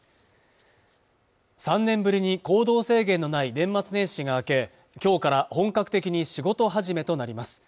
３年ぶりに行動制限のない年末年始が明け今日から本格的に仕事はじめとなります